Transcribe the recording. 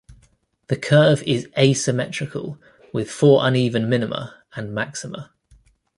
The curve is asymmetrical with four uneven minima and maxima.